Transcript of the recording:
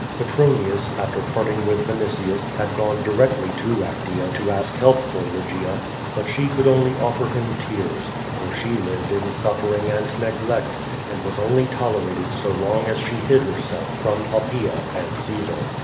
l*etronius, after jmrting with Vinitius, had gone diivdly to Actea to ask help for Lygia, but she could oidy oiler liim tears, for she lived in suffering and neglect, and was only tolerated so long as she hid lierself from l\>pj)aea and Caesar.